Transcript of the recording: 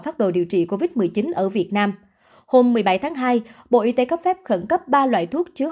phát đồ điều trị covid một mươi chín ở việt nam hôm một mươi bảy tháng hai bộ y tế cấp phép khẩn cấp ba loại thuốc chứa